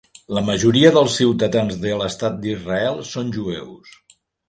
La majoria dels ciutadans de l'estat d'Israel són jueus.